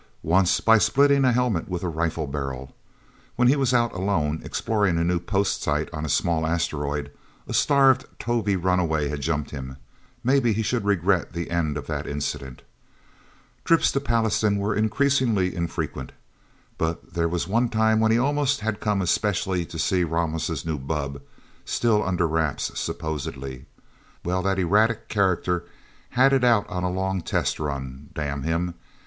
Once by splitting a helmet with a rifle barrel. When he was out alone, exploring a new post site on a small asteroid, a starved Tovie runaway had jumped him. Maybe he should regret the end of that incident. Trips to Pallastown were increasingly infrequent. But there was one time when he almost had come specially to see Ramos' new bubb, still under wraps, supposedly. Well that erratic character had it out on a long test run. Damn him!